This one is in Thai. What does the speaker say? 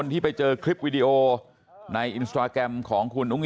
แต่ถือว่ายังแข็งแรงมากไหมฮะ